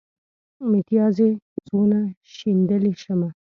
متيازې څونه شيندلی شمه.